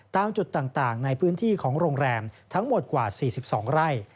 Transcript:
ตามจุดต่างในพื้นที่ของโรงแรมทั้งหมดกว่า๔๒ไร่